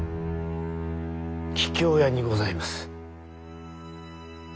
桔梗屋にございます。